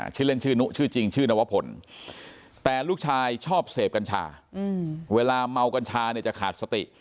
ชื่อเล่นชื่อนุชื่อจริงชื่อนวพลแต่ลูกชายชอบเสพกัญชาเวลาเมากัญชาเนี่ยจะขาดสติ